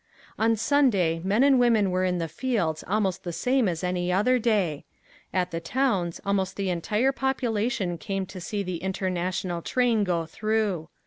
On Sunday men and women were in the fields almost the same as any other day. At the towns almost the entire population came down to see the International train go through.